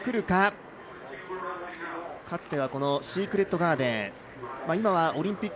かつてはシークレットガーデン